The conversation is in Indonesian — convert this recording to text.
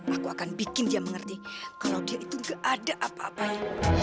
aku akan bikin dia mengerti kalau dia itu gak ada apa apanya